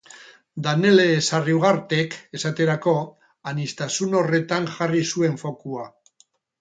Danele Sarriugartek esaterako aniztasun horretan jarri zuen fokua.